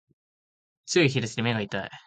強い日差しで目が痛い